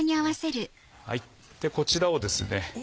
こちらをですね